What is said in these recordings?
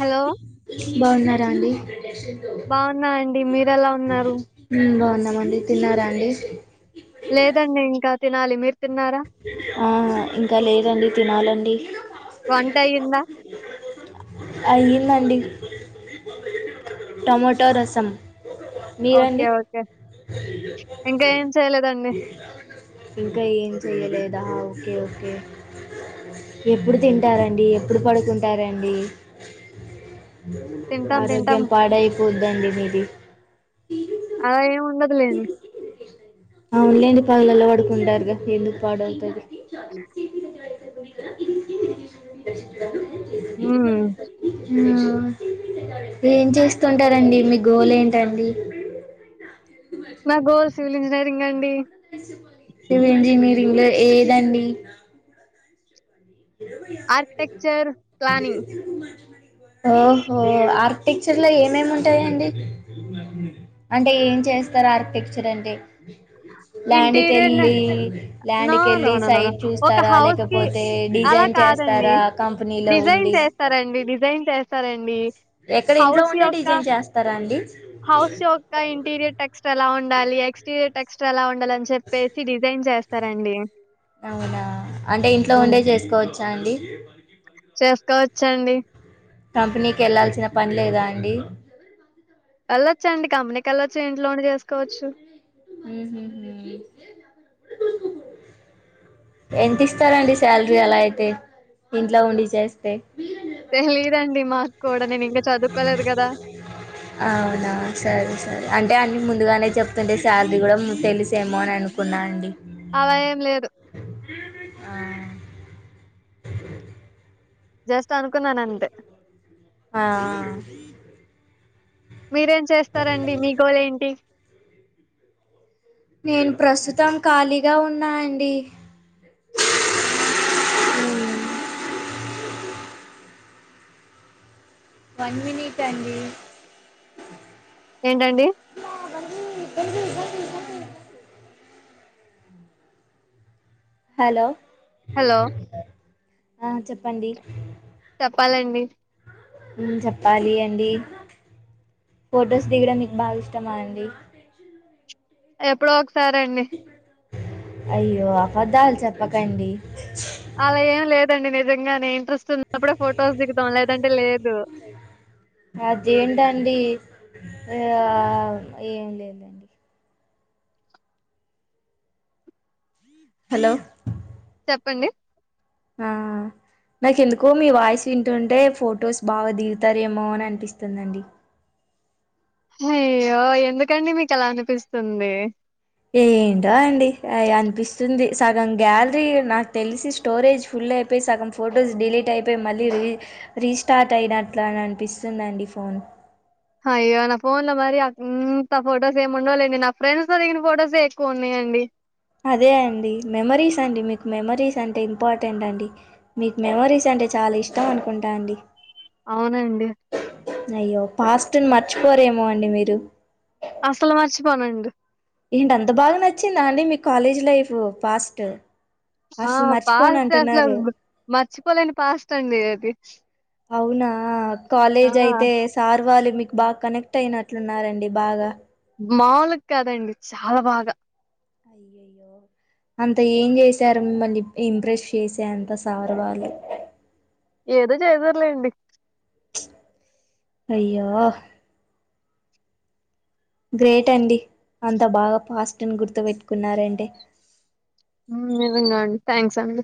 Hello బాగున్నారా అండి బాగున్నా అండి. మీరెలా ఉన్నారు? మ్ బాగున్నాం మండి తిన్నారా అండి లేదండి ఇంకా తినాలి మీరు తిన్నారా? ఆ ఇంకా లేదండి తినాలండి వంటయిందా అయ్యిందండి టమాటా రసం ఓకే మీరండి ఓకే ఇంకా ఏం చేయలేదండి. ఇంకా ఏం చెయలేదా ఓకే ఓకే ఎప్పుడు తింటారండి ఎప్పుడు పడుకుంటారండి తింటాం తింటాం. ఆరోగ్యం పాడై వద్దండి మీదీ అలా ఏమి ఉండదులేండి అవును లేండి పగలలా పడుకుంటారుగా ఎందుకు పాడవుతది ఇంట్ల పీచుమిటాయి హ్మ్. ఆ ఏం చేస్తుంటారండి మీ గోల్ ఏంటండి నా గోల్ సివిల్ ఇంజనీరింగ్ అండీ సివిల్ ఇంజినీరింగ్ లో ఏదండీ ఆర్క్ టెక్చర్ ప్లానింగ్ ఓహో ఆర్క్ టెక్చర్ లో ఏమేమి ఉంటాయండి అంటే ఏం చేస్తారు ఆర్క్ టెక్చర్ అంటే ల్యాండ్ ఇంటీరియర్ న కెళ్ళీ ల్యాండ్ నో నో కెళ్ళి నో నో నో సైడ్ ఒక చూస్తారా హౌస్‌కి లేకపోతే డి అలా కాదండి డిజైన్ చేస్తారండి డిజైన్ చేస్ సరే అండీ ఎక్కడ ఇంట్లో హౌస్ ఉండే యొక్క డిజైన్ చేస్తారా అండి హౌస్ యొక్క ఇంటీరియర్ టెక్స్ట్ ఎలా ఉండాలి ఎక్స్టీరియర్ టెక్స్ట్ చలా ఉ అలా అని చెప్పేసి డిజైన్ చేస్ సరే అండీ అవునా అంటే ఇంట్లో ఉండే చేసుకోవచ్చు నాండి సేఫ్గా వచ్చా అండి కంపెనీ కెళ్లాల్సిన పని లేదా అండి వెళ్ళొచ్చండి కంపెనీ కెళ్ళచ్చు ఇంట్లోండి చేసుకోవచ్చు ఉహు ఎంత ఇస్తారండి సాలరీ అలా అయితే ఇంట్లో ఉండి చేస్తే తెలీదండి మా కోడలి నింగే అవునా సరె సరె అ అంటే అన్నీ ముందుగానే చెప్తుంటే సాలరీ కూడా తెలిసేమో అని అనుకున్నా అండి అలా ఏం లేదు ఆ జస్ట్ అనుకున్నాను అంతే అ ఆ మీరేం చేస్తారండి మీ గోల్ ఏంటీ నేను ప్రస్తుతం ఖాళీగా ఉన్నా అండీ హమ్ వన్ మినిట్ అండీ ఏంటండీ జరుగూ జరుగు జరుగు జరుగు హలో హలో ఆ చెప్పండి చెప్పాలండి చెప్పాలి అండి ఫొటోస్ దిగడం మీకు బాగా ఇష్టమా అండి ఎప్పుడోక్స సరేండి అయ్యో అబద్ధాలు చెప్పకండి అలా ఏం లేదండి నిజంగానే ఇంట్రెస్ట్ ఉన్నప్పుడే ఫొటోస్ దికుదాం లేదంటే లేదు అదేంటండి ఆ ఏమి లేదండి హలో చెప్పండి ఆ నాకు ఎందుకో మీ వాయిస్ వింటుంటే ఫొటోస్ బాగా దిగుతారేమో అని అనిపిస్తుందండి అయ్యో ఎందుకండి మీకు అలా అనిపిస్తుంది ఏ ఏంటో అండి అనిపిస్తుంది సగం గ్యాలరీ నాకు తెలిసి స్టోరేజ్ ఫుల్ అయిపోయి సగం ఫొటోస్ డిలీట్ అయిపోయి మళ్ళీ రీ రీస్టార్ట్ అయినట్లుని అనిపిస్తుందిండి ఫోన్ అయ్యో నా ఫోన్ లో మరి ఇంత ఫొటోస్ ఏమి ఉండాలండి నా ఫ్రెండ్స్ త దిగిన ఫొటోస్ ఎక్కువ ఉన్నాయండి అదే అండి మెమరీస్ అండి మీకు మెమరీస్ అంటే ఇంపార్టెంట్ అండి మీకు మెమరీస్ అంటే చాలా ఇష్టం అనుకుంటా అండి అవునండి అయ్యో పాస్ట్ని మర్చిపోరేమో అండి మీరు అసల్ మారిచి పొననండి ఏంటి అంత బాగా నచ్చిందా అండి మీ కాలేజీ లైఫ్ పాస్ట్ ఆ అసలు మర్చిపోను పాస్ట్ అంటున్నారు అసలు మర్చిపోలేని పాస్ట్ అండి అది అవునా ఆ! కాలేజ్ అయితే సార్ వాళ్ళు మీకు బాగా కనెక్ట్ అయినట్లున్నారండి బాగా మాముూలుగా కదండి చాలా బాగా అయ్యయ్యో అంత ఏం చేసారు మిమ్మల్ని ఇంప్రెస్ చేసే అంత సారు వాళ్ళు ఏదో చేసార్లేండి అయో గ్రేట్ అండి అంత బాగా పాస్ట్ని గుర్తుపెట్టుకున్నంటే నిజంగా అండి థ్యాంక్స్ అండి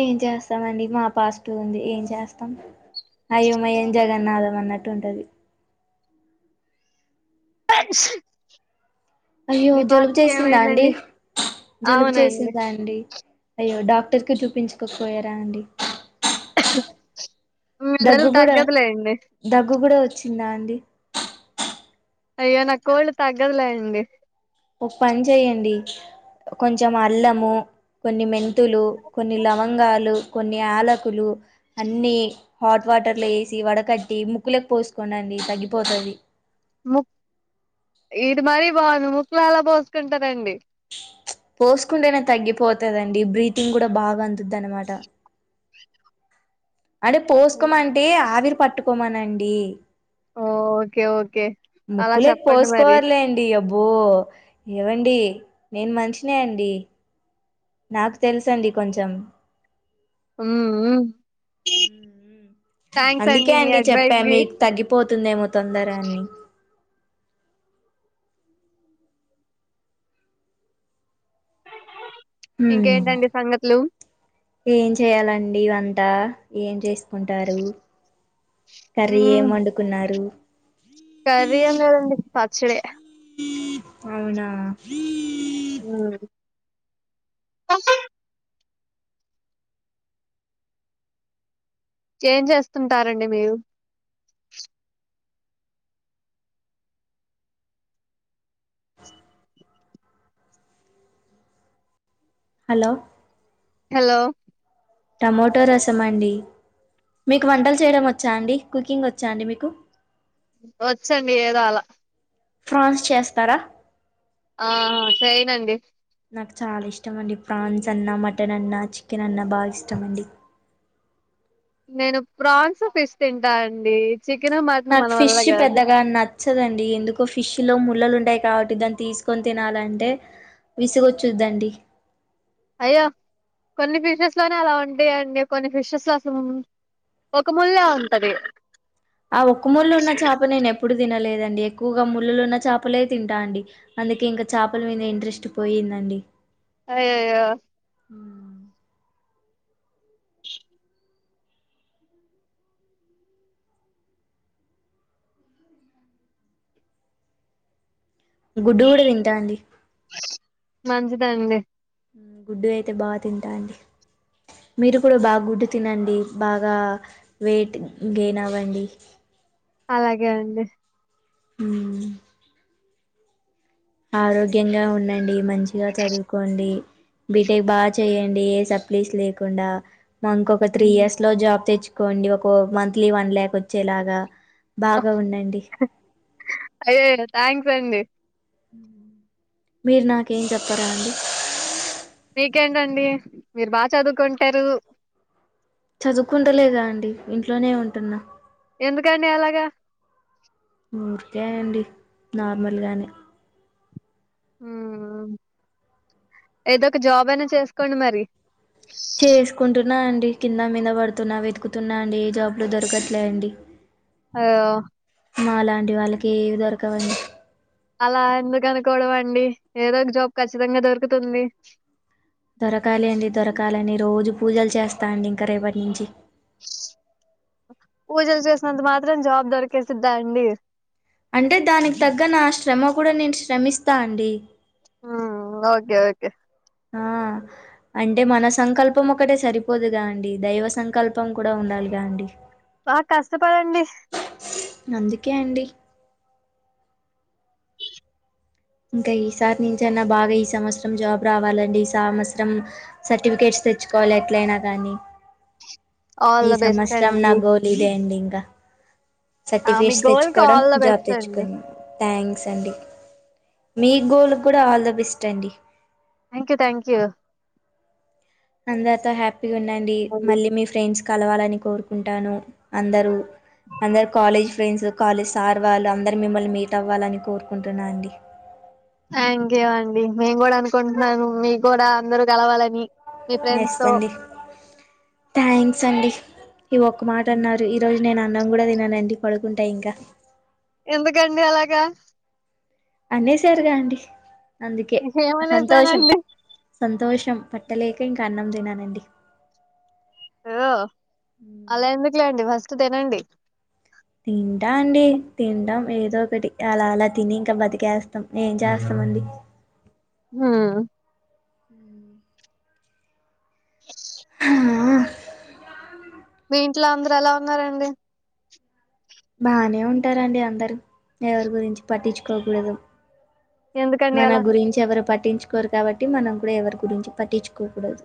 ఏం చేస్తామండి మా పాస్ట్ ఉంది ఏం చేస్తాం అయోమయం జగన్నాథం అన్నట్టు ఉంటది అ అయ్యో జలుబు చేసిందా అండి జలుబు అవునండి. చేసిందా అండి అయ్యో డాక్ డాక్టర్కి చూపించకపోయారా అండి మీ దగ్గు జలుబు కూడా తగ్గదులేండి. దగ్గు కూడా వ వచింద అండి అయ్యో నా కోల్డ్ తగ్గదులే అండి ఒక పని చేయయండి కొంచెం అల్లము కొన్ని మెంతులు కొన్ని లవంగాలు కొన్ని ఆలకులు అన్ని హాట్ వాటర్లు వేసి వడకట్టి ముక్కులకు పోసుకోం అండి తగ్గిపోతుంది ముక్ ఇది మరీ బాగుంది ముక్కులో ఎలా పోసుకుంటారండి పోసుకుంటేనే తగ్గిపోతుందండి బ్రీతింగ్ కూడా బాగా అందుద్ది అనమాట అంటే పోసుకో హ్మ్. అంటే ఆవిర్ పట్టుకోమనండి ఓకే ఓకే అలా చెప్పండి మరి బ్ బో ఏవండి నేను మనిషిని అండి నాకు తెలుస అండి కొంచెం ఉ ఉ అందుకే మీ అండి చెప్పా అడ్వైస్‌కి. మీకు తగ్గిపోతుందేమో తొందర అన్ని హ్మ్ ఇంకేంటండి సంగతులు ఏం చేయాలండి ఇ వంట ఏం చేస్త కర్రీ ఏం హ్మ్. వండుకున్నారు కర్రీ ఏం లేదండి పచ్చడే అవునా కొసం ఏమ్ చేస్తుంటారండి మీరు హలో హలో టమోటో రసం అండి మీకు వంటలు చేయడం వచ్చా అండి. కుకింగ్ వచ్చా అండి మీకు. వచ్చండి ఏదో అలా ఫ్రాన్స్ చేస్తారా ఆ సైనడి నాకు చాలా ఇష్టమ అండి ప్రాన్స్ అన్నా మటన్ అన్నా చికెన్ అన్నా బాగా ఇష్టమ అండి నేను ప్రాన్స్ ఫిష్ తింటాను అండి చికెన్ మటన్ నాక్ మన ఫిష్ వల్ల కాదు పెద్దగా నచ్ నచ్దండి ఎందుకో ఫిష్ లో ముళ్లలు ఉంటాయి. కాబట్టి, దాన్ని తీసుకొని తినాలంటే విసుగొచ్చుద్దండి. అయ్యో కొన్ని ఫిషెస్ లోనే అలా ఉంటాయండి. కొన్ని ఫిషెస్లో అసల్ ఒక ముల్లే ఉంటంది. ఆ ఒక్క ముళ్ ఉన్న చేప నేను ఎప్పుడు తినలేదన్ అండి ఎక్కువగా ముళ్ళలు ఉన్న చేపలే తింటా అండి. అందుకే ఇంకా చేపల మీద ఇంట్రెస్ట్ పోయిందండి. అయ్యయో గుడ్డు కూడా తింటా అండి మంచిదండి మ్మ్ గుడ్డు అయితే బాగా తింటా అండి. మీరు కూడా బాగా గుడ్డు తినండి. బాగా వెయిట్ గెన్ అవ్వండి. అలాగే అండి హ్మ్ ఆరోగ్యంగా ఉండండి. మంచిగా చదువుకోండి. బీటెక్ బాగా చేయండి. ఏ సప్లీస్ లేకుండా, నా ఇంకొక త్రీ ఇయర్స్ లో జాబ్ తెచ్ కోండి ఒకో మంత్లీ వన్ లాక్ వచ్చేలాగా బాగా ఉండండి అయ్యయ్యో థ్యాంక్స్ అండి మీర్ నాకేం చెప్పారా అండి మీకెండ్ అండి మీరు బాగా చదువుకుంటారు చదువుకుంటలేద అండి ఇంట్లోనే ఉంటున్నా ఎందుకండి అలాగా ఊరికేండి నార్మల్గానే ఏదో ఒక జాబ్ అయినా చేసుకోండి మరి చేసుకుంటున్నా అండి కింద మీద పడుతున్నా వెతుకుతున్నా అండి ఏ జాబ్లు దొరకట్లే అండి అదేకద మాలాంటి వాళ్ళకి ఏవి దొరకవండి అలా ఎందుకు అనుకోవడం అండి ఏదో ఒక జాబ్ ఖచ్చితంగా దొరుకుతుంది దొరకాలండి దొరకాలని రోజు పూజలు చేస్తా అండి ఇంక రేపటి నుంచి పూజలు చేసినంత మాత్రం జాబ్ దొరికేసిద్దా అండి అంటే దానికి తగ్గ నా శ్రమ కూడా నేను శ్రమిస్తా అండి హమ్ ఓకే ఓకే ఆ అంటే మన సంకల్పం ఒకటే సరిపోదుగా అండి దైవ సంకల్పం కూడా ఉండాలిగా అండి ఆ కష్టపడండి అందుకే అండి ఇంక ఈసారి నుంచ అన్న బాగా ఈ సంవత్సరం జాబ్ రావాలండి. ఈ సంవత్సరం సర్టిఫికేట్స్ తెచ్చుకోవాలి. ఎట్లైన గానీ ఆల్ ఈ ద బెస్ట్ సంవత్సరం అండి. నా గోల్ ఇదే అండి త ఆ! మీ సర్టిఫికేట్స్ గోల్‌కి తెచ్చుకోవడం ఆల్ ద జాబ్ బెస్ట్ అండి. తెచ్చుకొం థ్యాంక్స్ అండి మీ గోల్ కూడా ఆల్ ద బెస్ట్ అండి థ్యాంక్ యూ థ్యాంక్ యూ నత హ్యాప్ గా ఉండండి అండి. మళ్ళీ మీ ఫ్రెండ్స్ కలవాలని కోరుకుంటాను అందరూ అందరు కాలేజ్ ఫ్రెండ్స్ కాలేజ్ సార్ వాళ్ళు అందరూ, మిమ్మల్ని మీట్ అవ్వాలని కోరుకుంటున్నా అండి. థ్యాంక్ యూ అండి మేము కూడా అనుకుంటున్నాను. మీకు కూడా అందరూ కలవాలని. మీ ఎస్ ఫ్రెండ్స్‌తో. అండి థ్యాంక్స్ అండి ఈ ఒక్క మాట అన్నారు ఈరోజు నేను అన్నం కూడా తినను అండి పడుకుంటా ఇంకా ఎందుకండి అలాగా అనేసారుగా అండి అందుకే సంతోషం ఏమనేసానండి? సంతోష్ పట్టలేక ఇంక అన్నం తిననండి హలో అలా ఎందుకులేండి ఫస్ట్ తినండి తింటా అండి తింటాం. ఏదో ఒకటి అలా అలా తిని ఇంక బతికేస్తాం ఏం చేస్తామండి. హుమ్ ఎస్ హ ఆ ఇంట్లో అందరూ ఎలా ఉన్నారండి బానే ఉంటారండి. అందరు ఎవరి గురించి పట్టించుకోకూడదు. ఎందుకండి మన అలా? గురించి ఎవరు పట్ పట్టించుకోరు కాబట్టి మనం కూడా ఎవరి గురించి పట్టించుకోకూడదు.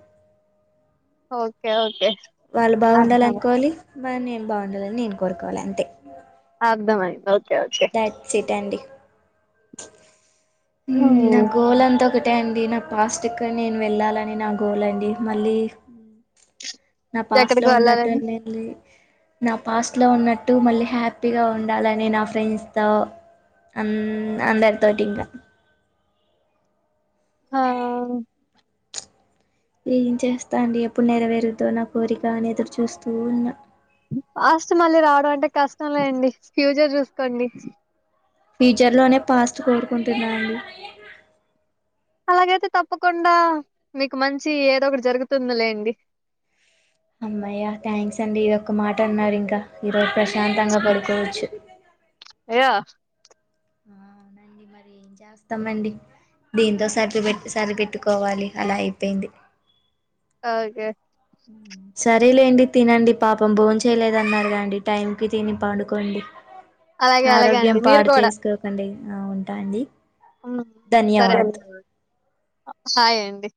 ఓకే అంటే వాళ్ళు బాగుండాలి అనుకోవాలి మరి నేను బాగుండాలని నేను కోరుకోవాలి అంతే అర్థమయిన తరువాత దాట్స్ట్ అండి హ్మ్ నా గోలంతా ఒక అంతే అండి నా పాస్ట్ క నేను వెళ్ళాలని నా గోల్ అండి మళ్ళీ నా పాస్ లో ఎక్కడికి ఉన్నట్టు వెళ్ళాలని ని నా పాస్ట్లో ఉన్నట్టు మళ్ళీ హ్యాపీగా ఉండాలని నా ఫ్రెండ్స్తో అ అందరితోటింకా హా ఏ ఏం చేస్తా అండి ఎప్పుడు నెరవేరుద్దో నా కోరిక అని ఎదురు చూస్తూ ఉన్న పాస్ట్ మళ్ళీ రావడం అంటే కష్టం లేండి ఫ్యూచర్ చూసుకోండి ఫ్యూచర్ లోనే పాస్ట్ కోరుకుంటున్నాండి అలాగైతే తప్పకుండా మీకు మంచి ఏదో ఒకటి జరుగుతుంది లేండి అమ్మయ్య థ్యాంక్స్ అండి ఇదొక్క మాట అన్నారు ఇంకా ఈ రోజు ప్రశ్న ప్రశాంతంగా పడుకోవచ్చు యాహ్! అవునండి మరి ఏం చేస్తామండి దీంతో సరిెట్ సరిపెట్టుకోవాలి అలా అయిపోయింది ఓకే సరేలేండి తినండి పాపం భోన్ చేయలేదన్నారు గండి టైం కి తిని పడుకోండి అలాగే అలాగే అండి. ఆరోగ్యం మీరు పాడు చేసుకోకండి ఆ ఉంటా అండి మ్మ్ సరే ధన్యవాద్ అండి హాయ్ అండి